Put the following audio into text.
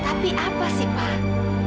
tapi apa sih pak